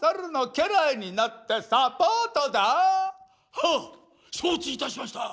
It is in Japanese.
「はっ承知いたしました。